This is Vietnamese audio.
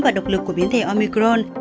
và độc lực của biến thể omicron